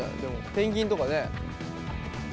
ペンギンとかね。